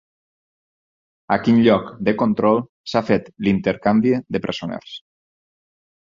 A quin lloc de control s'ha fet l'intercanvi de presoners?